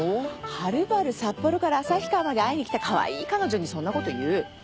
はるばる札幌から旭川まで会いにきたかわいい彼女にそんなこと言う？